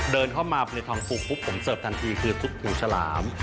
เดินเข้ามาในทองปลูกปุ๊บผมเสิร์ฟทันทีคือทุบถุงฉลาม